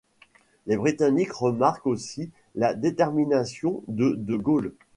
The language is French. Les Britanniques remarquent aussi la détermination de De Gaulle.